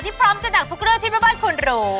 พร้อมจัดหนักทุกเรื่องที่แม่บ้านควรรู้